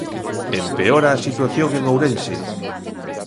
Empeora a situación en Ourense.